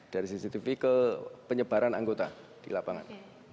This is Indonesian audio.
dari cctv ke penyebaran anggota di lapangan